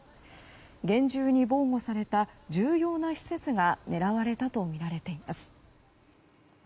厳重に防護された重要な施設が狙われたとみられています。